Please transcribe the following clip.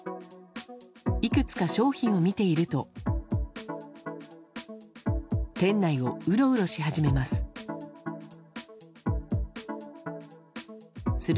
いくつか商品を見ていると店内をうろうろし始めます。